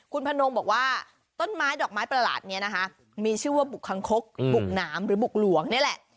คุณพนงบอกว่าต้นไม้ดอกไม้ประหลาดนี้นะคะมีชื่อว่าบุกคังคกบุกหนามหรือบุกหลวงนี่แหละ